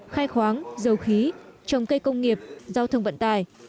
khai khoáng dầu khí trồng cây công nghiệp giao thông vận tài